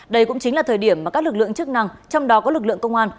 đây cũng chính là thời điểm mà các lực lượng chức năng trong đó có lực lượng công an